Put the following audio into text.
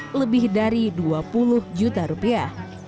yang mencapai dua puluh juta rupiah